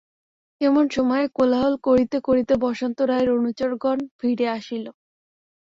এমন সময়ে কোলাহল করিতে করিতে বসন্ত রায়ের অনুচরগণ ফিরিয়া আসিল।